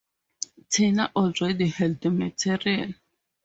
Tina already had the material.